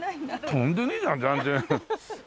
飛んでねえじゃん全然。